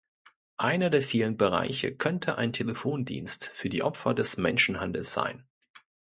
Einer der vielen Bereiche könnte ein Telefondienst für die Opfer des Menschenhandels sein.